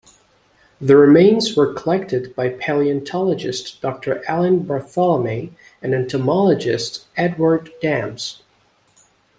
The remains were collected by paleontologist Doctor Alan Bartholomai and entomologist Edward Dahms.